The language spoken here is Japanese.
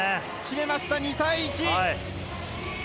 決めました、２対１！